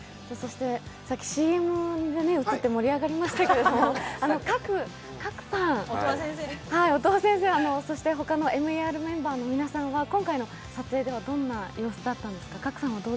さっきＣＭで映って盛り上がりましたけど、賀来さん、音羽先生、そしてほかのＭＥＲメンバーの皆さんは今回の撮影ではどうだったんですか？